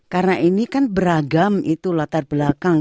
karena ini kan beragam itu latar belakang